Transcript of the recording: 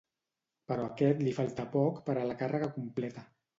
Però a aquest li falta poc per a la càrrega completa.